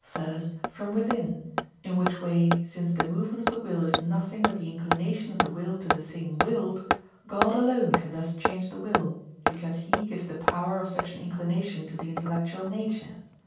First, from within; in which way, since the movement of the will is nothing but the inclination of the will to the thing willed, God alone can thus change the will, because He gives the power of such an inclination to the intellectual nature.